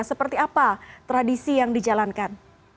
seperti apa tradisi yang dijalankan